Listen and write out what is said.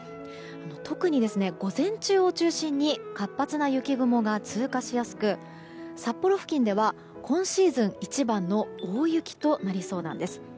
特に午前中を中心に活発な雪雲が通過しやすく札幌付近では今シーズン一番の大雪となりそうなんです。